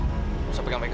enggak usah pegang mereka